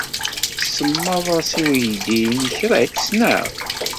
Tsemmaḍ-as i weydi-nnek Rex, naɣ?